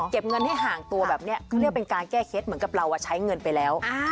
เงินให้ห่างตัวแบบนี้เขาเรียกเป็นการแก้เคล็ดเหมือนกับเราใช้เงินไปแล้ว